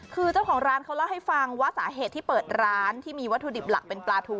คือเจ้าของร้านเขาเล่าให้ฟังว่าสาเหตุที่เปิดร้านที่มีวัตถุดิบหลักเป็นปลาทู